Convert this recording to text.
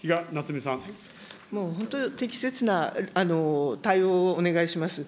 もう本当、適切な対応をお願いします。